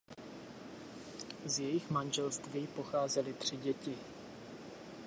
Z jejich manželství pocházely tři děti.